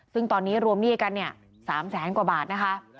ซึ่งตอนนี้รวมหนี้กันเนี่ย๓แสนกว่าบาทนะคะ